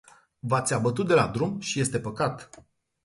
V-ați abătut de la drum și este păcat.